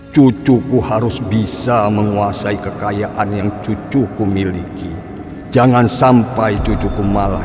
cucuku harus bisa menguasai kekayaan yang cucuku miliki jangan sampai cucuku malah